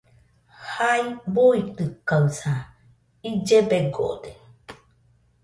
Jai buitɨkaɨsa , ille begode.